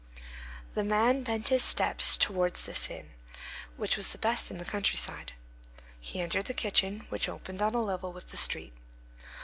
_ The man bent his steps towards this inn, which was the best in the country side. He entered the kitchen, which opened on a level with the street.